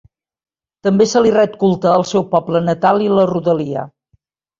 També se li ret culte al seu poble natal i la rodalia.